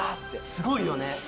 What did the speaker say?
すごいよね。